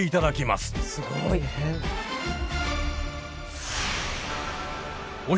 すごい。大変。